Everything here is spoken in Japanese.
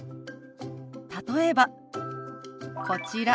例えばこちら。